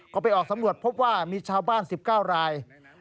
ก็ไปออกสำรวจพบว่ามีชาวบ้าน๑๙ราย